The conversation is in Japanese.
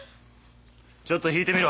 ちょっと弾いてみろ。